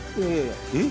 えっ？